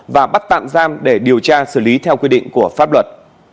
và bắt tạm giam để điều tra xử lý theo quy định của pháp luật